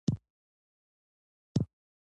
ځینې نور د تولیدي ماشین په بڼه وي.